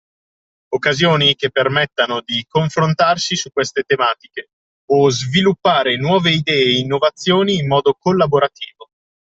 Occasioni che permettano di confrontarsi su queste tematiche o sviluppare nuove idee e innovazioni in modo collaborativo